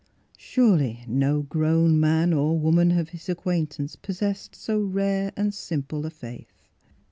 Surely no grown man or woman of his acquaintance possessed so rare and simple a faith.